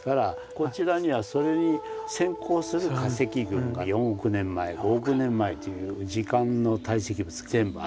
こちらにはそれに先行する化石群が４億年前５億年前という時間の堆積物が全部ある。